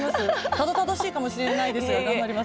たどたどしいかもしれないですが頑張ります。